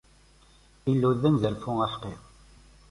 Illu, d anezzarfu aḥeqqi.